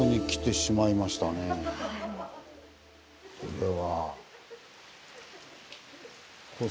これは。